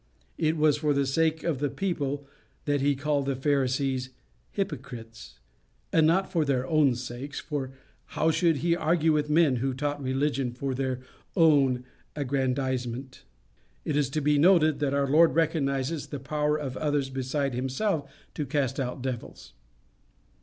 It was for the sake of the people that he called the Pharisees hypocrites, and not for their own sakes, for how should he argue with men who taught religion for their own aggrandizement? It is to be noted that our Lord recognizes the power of others besides himself to cast out devils.